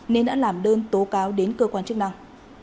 nên đã làm đơn tố cáo đến cơ quan chức năng